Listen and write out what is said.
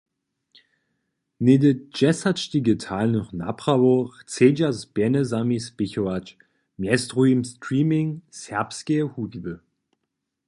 Něhdźe dźesać digitalnych naprawow chcedźa z pjenjezami spěchować, mjez druhim streaming serbskeje hudźby.